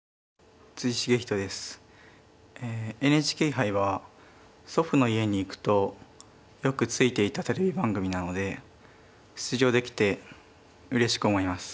ＮＨＫ杯は祖父の家に行くとよくついていたテレビ番組なので出場できてうれしく思います。